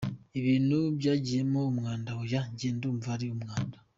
Ibintu byagiyemo umwanda oya njye ndumva ari umwanda.